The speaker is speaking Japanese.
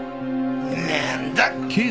なんだ！